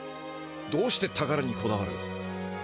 どうして宝にこだわる？